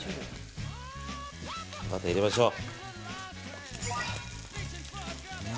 バター入れましょう。